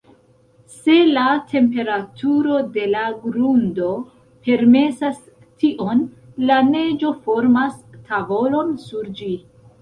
Se la temperaturo de la grundo permesas tion, la neĝo formas tavolon sur ĝi.